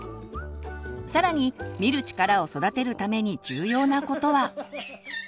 更に「見る力」を育てるために重要なことは。